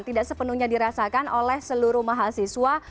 tidak sepenuhnya dirasakan oleh seluruh mahasiswa